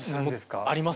ありますね